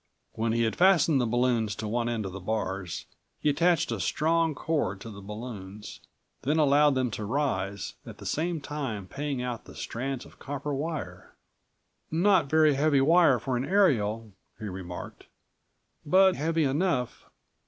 When he had fastened the balloons to one end of the bars, he attached a strong cord to the balloons, then allowed them to rise, at the same time paying out the strands of copper wire. "Not very heavy wire for an aerial," he remarked, "but heavy enough.